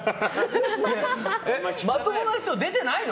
まともな人出てないの？